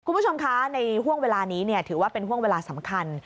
คุณผู้ชมคะในห่วงเวลานี้ถือว่าเป็นห่วงเวลาสำคัญ